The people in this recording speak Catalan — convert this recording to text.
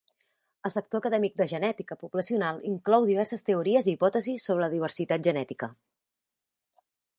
El sector acadèmic de genètica poblacional inclou diverses teories i hipòtesis sobre la diversitat genètica.